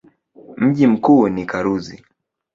Mji mkuu ni Karuzi.